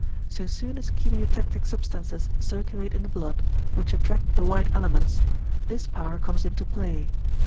So soon as chemiotactic substances circulate in the blood, which attract the white elements, this power comes into play.